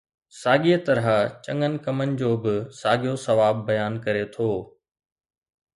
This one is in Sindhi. ساڳيءَ طرح چڱن ڪمن جو به ساڳيو ثواب بيان ڪري ٿو.